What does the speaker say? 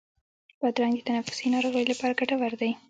بادرنګ د تنفسي ناروغیو لپاره ګټور دی.